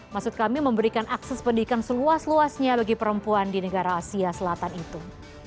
maksud kami memberikan akses pendidikan seluas luasnya bagi perempuan di negara asia selatan itu